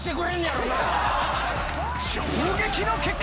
衝撃の結果！